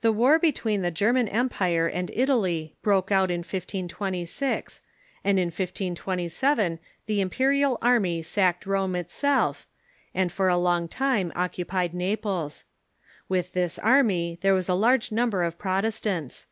The war between the German Empire and Italy broke out in 1526, and in 1527 the imperial array sacked Rome itself, and for a long time occupied Naples. With this army there was a large number of Protestants.